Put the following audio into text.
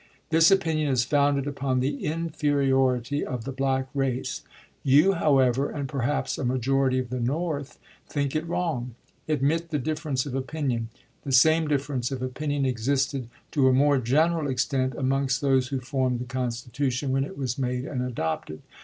This opinion is founded upon the inferiority of the black race; you, however, and perhaps a majority of the North, think it wrong. Admit the difference of opinion. The same dif ference of opinion existed to a more general extent amongst those who formed the Constitution when it was made and adopted.